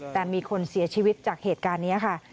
แต่มีคนเสียชีวิตจากเหตุการณ์นี้ค่ะ